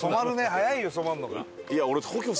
早いよ染まるのが。